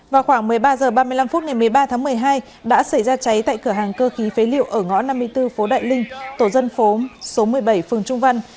vào khoảng một mươi ba h ba mươi năm phút ngày một mươi ba tháng một mươi hai đã xảy ra cháy tại cửa hàng cơ khí phế liệu ở ngõ năm mươi bốn phố đại linh tổ dân phố số một mươi bảy phường trung văn